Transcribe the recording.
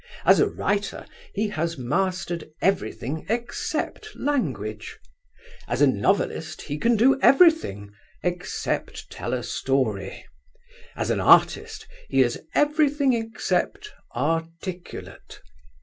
As a writer he has mastered everything except language: as a novelist he can do everything, except tell a story: as an artist he is everything except articulate.